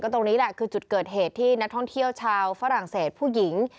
ตรงนี้แหละคือจุดเกิดเหตุที่นักท่องเที่ยวชาวฝรั่งเศสผู้หญิง